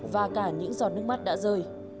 và cả những giọt nước mắt đã rơi